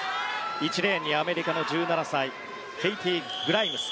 １レーンにアメリカ１７歳ケイティー・グライムズ。